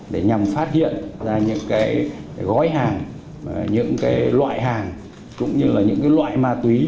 để nhằm phát hiện ra những cái gói hàng những cái loại hàng cũng như là những cái loại ma túy